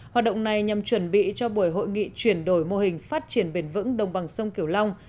hoạt động này nhằm chuẩn bị cho buổi hội nghị chuyển đổi mô hình phát triển bền vững đồng bằng sông kiểu long